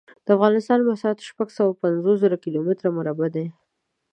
د افغانستان مسحت شپږ سوه پنځوس زره کیلو متره مربع دی.